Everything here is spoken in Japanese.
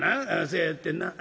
そやってんな。